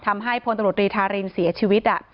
ทำให้พลตรวจรีทารินเสียชีวิตอะ